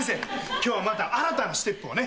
今日また新たなステップをね。